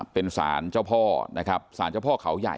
เป็นสารเจ้าพ่อนะครับสารเจ้าพ่อเขาใหญ่